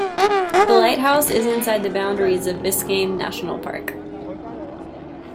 The lighthouse is inside the boundaries of Biscayne National Park.